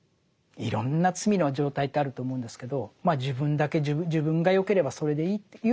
いろんな罪の状態ってあると思うんですけど自分だけ自分がよければそれでいいっていうのも罪でしょうね。